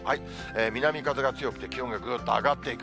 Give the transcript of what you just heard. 南風が強くて、気温がぐっと上がっていく。